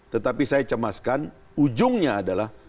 tetapi saya cemaskan ujungnya adalah